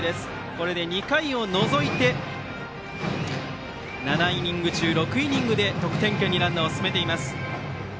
これで２回を除いて７イニング中６イニングで得点圏にランナーを進めています。